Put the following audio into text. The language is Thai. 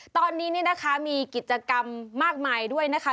ตอนนี้เนี่ยนะคะมีกิจกรรมมากมายด้วยนะคะ